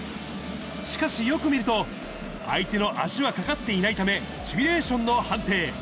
しかし、よく見ると、相手の足はかかっていないため、シミュレーションの判定。